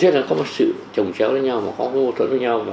thế là có một sự trồng chéo với nhau mà có một cái mâu thuẫn với nhau